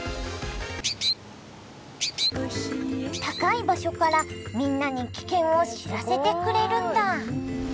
高い場所からみんなに危険を知らせてくれるんだ！